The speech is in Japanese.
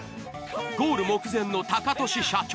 ゴール目前のタカトシ社長。